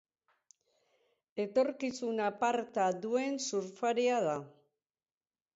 Etorkizun aparta duen surflaria da.